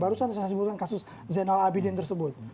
barusan saya sebutkan kasus zainal abidin tersebut